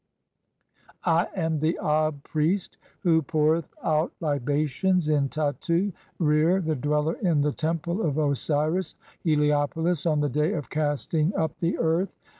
I am the ab priest who poureth out "libations in Tattu [for] Rere (?) the dweller in the Temple of "Osiris 5 (Heliopolis), [on the day of] (26) casting up the earth.